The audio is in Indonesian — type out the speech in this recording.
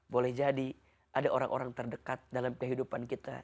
boleh jadi ada orang orang terdekat dalam kehidupan kita